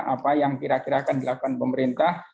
apa yang kira kira akan dilakukan pemerintah